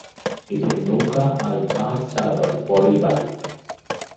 এদের নৌকা আর জাহাজ চালাবার বড়ই বাতিক।